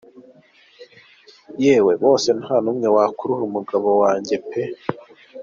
Yewe, bose nta n’umwe wakurura umugabo wanjye pe.